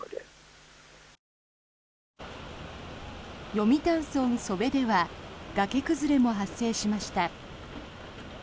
読谷村楚辺では崖崩れも発生しました。